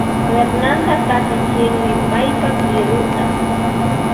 Fernanda katichinmi paypa kiruta